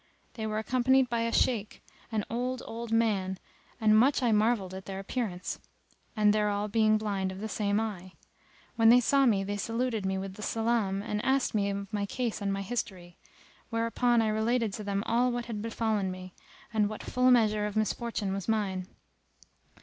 They were accompanied by a Shaykh, an old, old man, and much I marvelled at their appearance, and their all being blind of the same eye. When they saw me, they saluted me with the Salam and asked me of my case and my history; whereupon I related to them all what had befallen me, and what full measure of misfortune was mine.